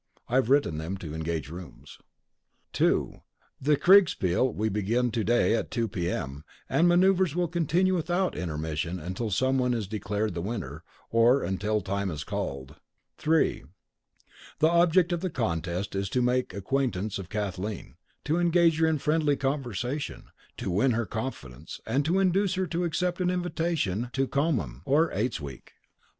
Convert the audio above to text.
(I've written to them to engage rooms.) "2. The Kriegspiel will begin to day at 2 P.M., and manoeuvres will continue without intermission until someone is declared the winner, or until time is called. "3. The object of the contest is to make the acquaintance of Kathleen; to engage her in friendly conversation; to win her confidence, and to induce her to accept an invitation to Commem, or Eights Week.